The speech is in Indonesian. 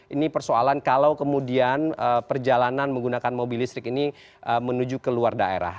ini persoalan kalau kemudian perjalanan menggunakan mobil listrik ini menuju ke luar daerah